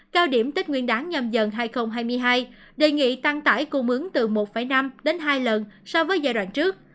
cao điểm tết nguyên đáng nhầm dần dần hai nghìn hai mươi hai đề nghị tăng tải cung ứng từ một năm đến hai lần so với giai đoạn trước